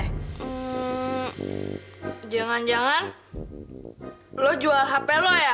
hmm jangan jangan lo jual hp lo ya